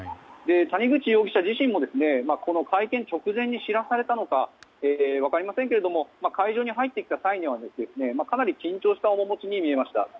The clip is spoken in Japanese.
谷口容疑者自身も会見直前に知らされたのか分かりませんが会場に入ってきた際にはかなり緊張した面持ちに見えました。